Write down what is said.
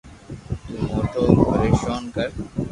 تو موتو ڀروسو ڪر